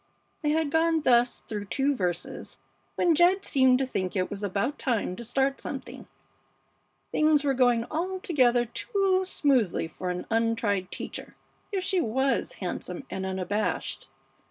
They had gone thus through two verses when Jed seemed to think it was about time to start something. Things were going altogether too smoothly for an untried teacher, if she was handsome and unabashed.